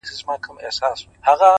ما خپل پښتون او خپل ياغي ضمير كي،